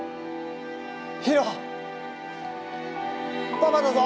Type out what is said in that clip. パパだぞ！